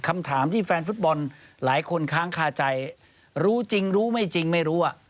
คำถามที่แฟนฟุตบอลหลายคนค้างคาใจรู้จริงรู้ไม่จริงไม่รู้